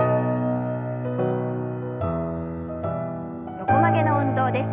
横曲げの運動です。